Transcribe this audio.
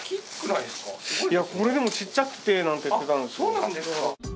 いやこれでもちっちゃくてなんて言ってたんですよ。